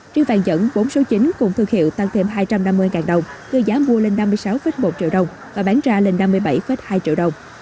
riêng vàng nhẫn bốn số chín cùng thương hiệu tăng thêm hai trăm năm mươi ngàn đồng đưa giá mua lên năm mươi sáu một triệu đồng và bán ra lên năm mươi bảy hai triệu đồng